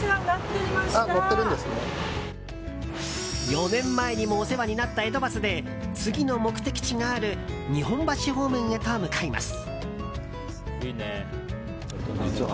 ４年前にもお世話になった江戸バスで次の目的地がある日本橋方面へと向かいます。